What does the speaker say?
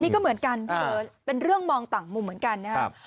นี่ก็เหมือนกันเป็นเรื่องมองต่างมุมเหมือนกันนะครับ